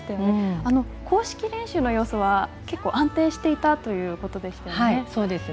公式練習の様子は結構安定していたということでした。